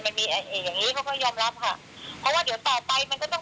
ถ้ามันถึงที่สุดจริงเราก็ต้องปล่อยทุกคลิปให้คนได้ฟัง